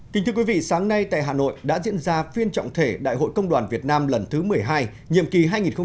kính thưa quý vị sáng nay tại hà nội đã diễn ra phiên trọng thể đại hội công đoàn việt nam lần thứ một mươi hai nhiệm kỳ hai nghìn một mươi chín hai nghìn hai mươi bốn